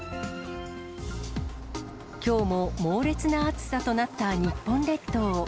きょうも猛烈な暑さとなった日本列島。